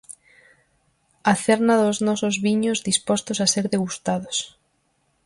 A cerna dos nosos viños dispostos a ser degustados.